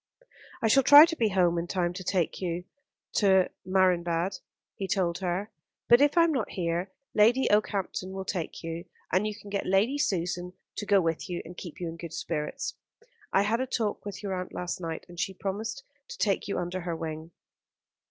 "I shall try to be home in time to take you to Marienbad," he told her. "But if I am not here, Lady Okehampton will take you, and you can get Lady Susan to go with you and keep you in good spirits. I had a talk with your aunt last night, and she promised to take you under her wing."